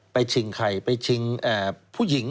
ไปชิงใครไปชิงผู้หญิง